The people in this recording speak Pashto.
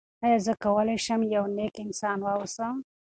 آیا زه کولی شم یو نېک انسان واوسم؟